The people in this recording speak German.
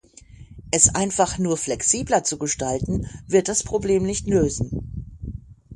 Es einfach nur flexibler zu gestalten wird das Problem nicht lösen.